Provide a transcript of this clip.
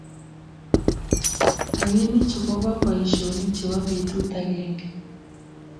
Robinichu koba boishonik chebo betut agenge